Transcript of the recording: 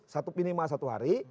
satu minimal satu hari